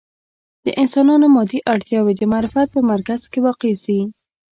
د انسانانو مادي اړتیاوې د معرفت په مرکز کې واقع شي.